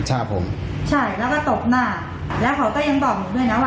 ใช่ผมใช่แล้วก็ตบหน้าแล้วเขาก็ยังบอกด้วยนะว่า